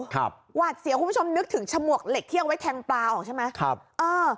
หวาดเสียวคุณผู้ชมนึกถึงฉมวกเหล็กที่เอาไว้แทงปลาออกใช่ไหมครับเออ